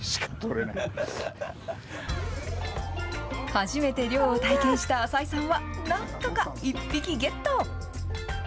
初めて漁を体験した浅井さんは、なんとか１匹ゲット。